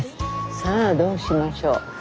さあどうしましょう。